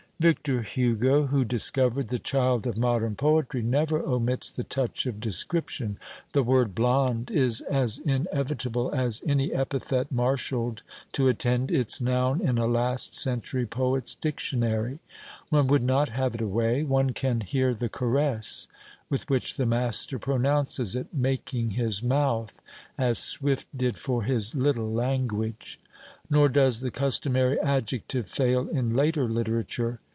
Victor Hugo, who discovered the child of modern poetry, never omits the touch of description; the word blond is as inevitable as any epithet marshalled to attend its noun in a last century poet's dictionary. One would not have it away; one can hear the caress with which the master pronounces it, "making his mouth," as Swift did for his "little language." Nor does the customary adjective fail in later literature.